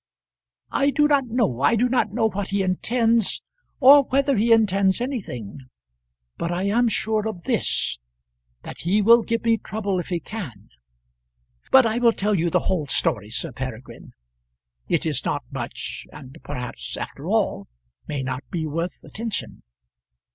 "I do not know I do not know what he intends, or whether he intends anything; but I am sure of this, that he will give me trouble if he can. But I will tell you the whole story, Sir Peregrine. It is not much, and perhaps after all may not be worth attention.